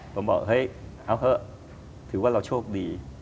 ผมบอกเฮ้ยเอาเถอะถือว่าเราโชคดี